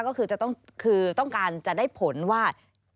ก็คือต้องการจะได้ผลว่า